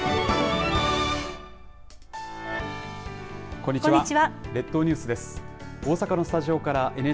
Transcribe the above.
こんにちは。